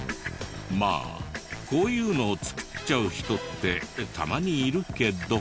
まあこういうのを作っちゃう人ってたまにいるけど。